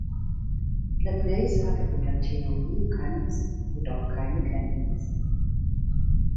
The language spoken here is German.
Laplace hatte von der Theorie Kants jedoch keine Kenntnis.